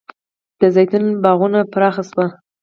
د زیتون باغونه پراخ شوي؟